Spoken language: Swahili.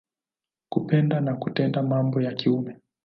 Kupenda na kutenda mambo ya kiume.